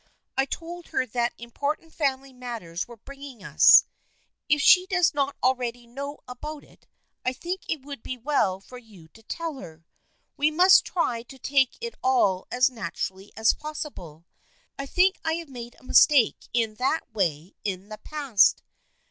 I told her that important family matters were bringing us. If she does not already know about it I think it would be well for you to tell her. We must try to take it all as natu rally as possible. I think I have made a mistake in that way in the past.